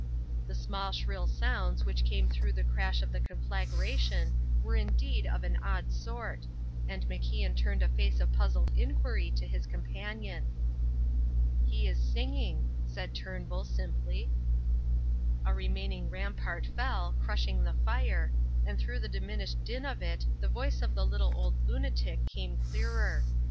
The small shrill sounds which came through the crash of the conflagration were indeed of an odd sort, and MacIan turned a face of puzzled inquiry to his companion. "He is singing," said Turnbull, simply. A remaining rampart fell, crushing the fire, and through the diminished din of it the voice of the little old lunatic came clearer.